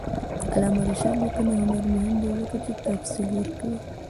د علامه رشاد لیکنی هنر مهم دی ځکه چې تفصیل ورکوي.